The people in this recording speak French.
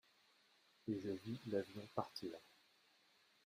Et je vis l’avion partir.